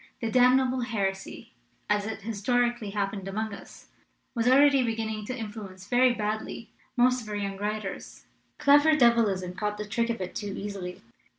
The damnable heresy, as it his torically happened among us, was already begin ning to influence very badly most of our young writers. Clever devilism caught the trick of it too easily.